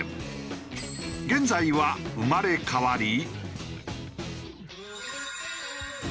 現在は生まれ変わり。